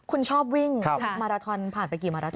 คุณชอบวิ่งมาลาทอนผ่านไปกี่มาลาทอน